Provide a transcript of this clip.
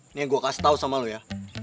ini yang gue kasih tau sama lo ya